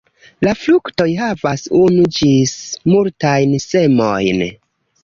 La fruktoj havas unu ĝis multajn semojn.